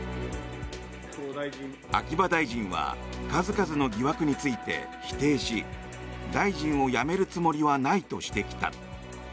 秋葉大臣は数々の疑惑について否定し大臣を辞めるつもりはないとしてきた。